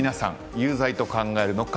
有罪と考えるのか？